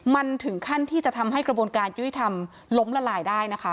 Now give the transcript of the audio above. มันถึงขั้นที่จะทำให้กระบวนการยุติธรรมล้มละลายได้นะคะ